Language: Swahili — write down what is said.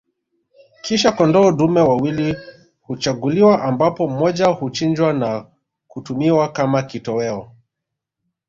Kisha kondoo dume wawili huchaguliwa ambapo mmoja huchinjwa na kutumiwa kama kitoweo